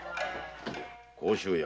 甲州屋。